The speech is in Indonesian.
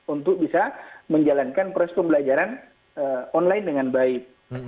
untuk bisa menjalankan proses pembelajaran online dengan baik